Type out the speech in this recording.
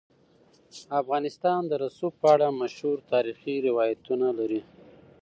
افغانستان د رسوب په اړه مشهور تاریخی روایتونه لري.